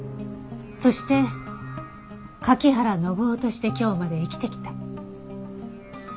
そして柿原伸緒として今日まで生きてきた。